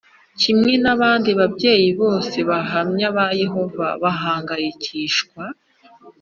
Kimwe n abandi babyeyi bose abahamya ba yehova bahangayikishwa